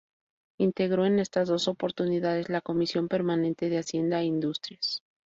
Integró en estas dos oportunidades la Comisión permanente de Hacienda e Industrias.